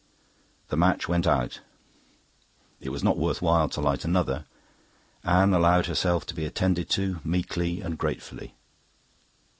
The match went out; it was not worth while to light another. Anne allowed herself to be attended to, meekly and gratefully.